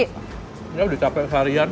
ini udah capek seharian